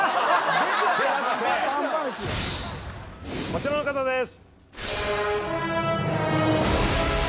こちらの方です